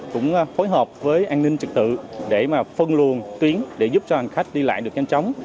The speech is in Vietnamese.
cũng phối hợp với an ninh trực tự để mà phân luồn tuyến để giúp cho hành khách đi lại được nhanh chóng